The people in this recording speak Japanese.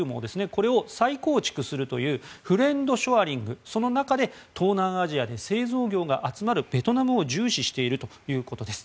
これを再構築するというフレンド・ショアリングの中で東南アジアで製造業が集まるベトナムを重視しているということです。